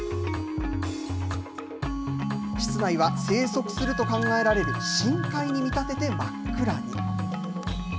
室内は生息すると考えられる深海に見立てて真っ暗に。